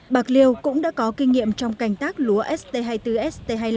bạc liêu cũng đã có kinh nghiệm trong cành tác lúa st hai mươi bốn st hai mươi năm